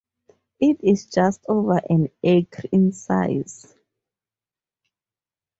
It is just over an acre in size.